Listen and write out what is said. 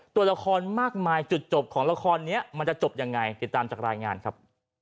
ตัวละครมากมายจุดจบของละครนี้มันจะจบยังไงติดตามจากรายงานครับ